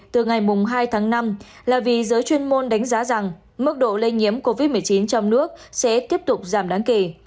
từ ngày hai tháng năm là vì giới chuyên môn đánh giá rằng mức độ lây nhiễm covid một mươi chín trong nước sẽ tiếp tục giảm đáng kể